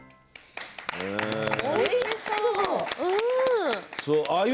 おいしそう。